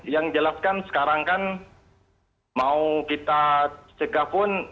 yang jelaskan sekarang kan mau kita cegah pun